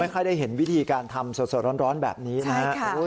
ค่อยได้เห็นวิธีการทำสดร้อนแบบนี้นะครับ